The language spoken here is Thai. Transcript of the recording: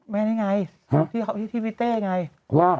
แม่นี่ไงเฮ้อที่เพียงที่พี่เต้ไงว่า